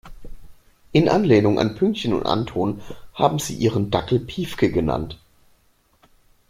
In Anlehnung an Pünktchen und Anton haben sie ihren Dackel Piefke genannt.